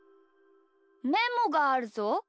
メモがあるぞ？